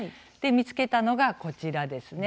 見つけたのがこちらです。